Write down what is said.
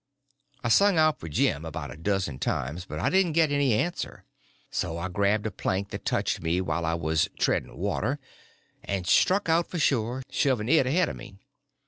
I sung out for Jim about a dozen times, but I didn't get any answer; so I grabbed a plank that touched me while I was "treading water," and struck out for shore, shoving it ahead of me.